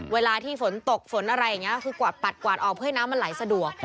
เวลาที่ฝนตกฝนอะไรอย่างนี้คือกวาดปัดกวาดออกเพื่อให้น้ำมันไหลสะดวก